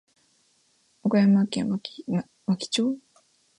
岡山県和気町